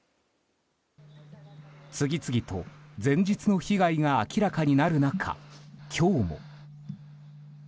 次々と前日の被害が明らかになる中、今日も。